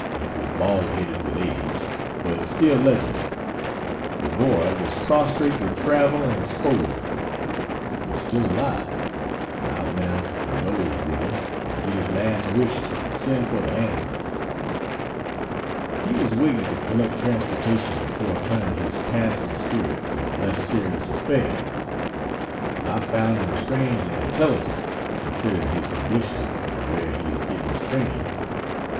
It was bald headed with age, but still legible. The boy was prostrate with travel and exposure, but still alive, and I went out to condole with him and get his last wishes and send for the ambulance. He was waiting to collect transportation before turning his passing spirit to less serious affairs. I found him strangely intelligent, considering his condition and where he is getting his training.